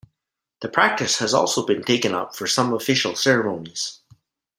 The practice has also been taken up for some official ceremonies.